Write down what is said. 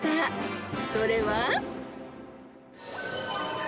［それは］